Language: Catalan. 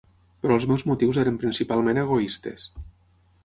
Però els meus motius eren principalment egoistes